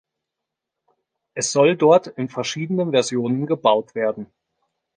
Es soll dort in verschiedenen Versionen gebaut werden.